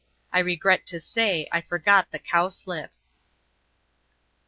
I regret to say, I forgot the cowslip.